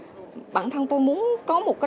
nhiều bạn trẻ nhiều chiến sĩ trẻ